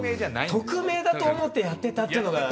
匿名だと思ってやってたっていうのが。